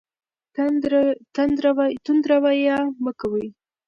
تند رویه مه کوئ.